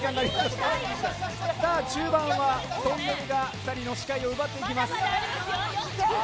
中盤はトンネルが２人の視界を奪っていきます。